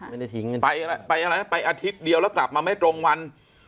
ไม่ได้ทิ้งกันไปอะไรนะไปอาทิตย์เดียวแล้วกลับมาไม่ตรงวัน